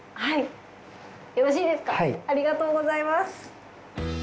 ありがとうございます。